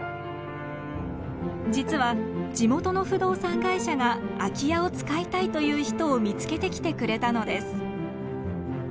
実は地元の不動産会社が空き家を使いたいという人を見つけてきてくれたのです。